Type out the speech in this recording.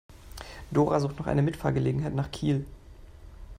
Dora sucht noch eine Mitfahrgelegenheit nach Kiel.